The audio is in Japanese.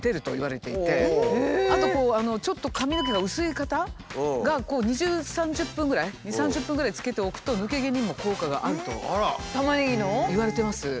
あとちょっと髪の毛が薄い方が２０３０分ぐらい２０３０分ぐらいつけておくと抜け毛にも効果があるといわれてます。